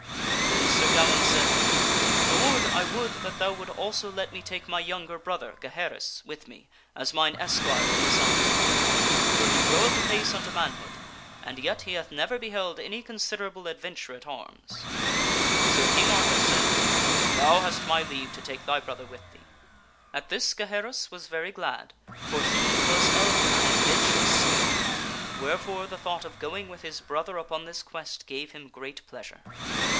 Then Sir Gawaine said, S ir " Lord, I would that thou would also let me take my younger brother, Gaheris, with me as mine esquire in this undertak adventure of ing, for he groweth apace unto manhood, and yet he hath these thin z s never beheld any considerable adventure at arms." So King Arthur said, " Thou hast my leave to take thy brother with thee." At this Gaheris was very glad, for he was of an adventurous spirit, wherefore the thought of going with his brother upon this quest gave him great pleasure.